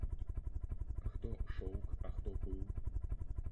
Хто шоўк, а хто пыл?!